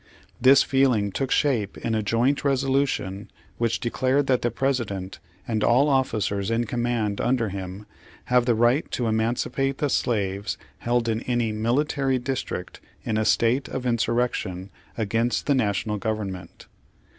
This feeling took shape in a joint resolution which de clared that the President and all officers in com mand under him, have the right to emancipate the slaves held in any "military district in a State of insurrection against the National Government."